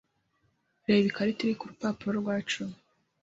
Reba ikarita iri ku rupapuro rwa cumi.